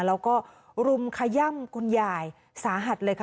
แล้วก็รุมขย่ำคุณยายสาหัสเลยค่ะ